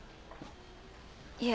いえ。